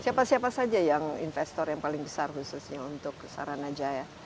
siapa siapa saja yang investor yang paling besar khususnya untuk sarana jaya